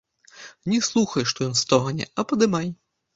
Не слухай, што ён стогне, а падымай.